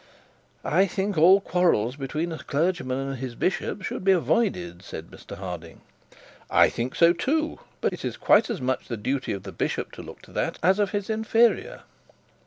'I think all quarrels between a clergyman and his bishop should be avoided,' said Mr Harding. 'I think so too; but it is quite as much the duty of the bishop to look to that as of his inferior.